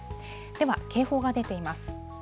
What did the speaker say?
では警報が出ています。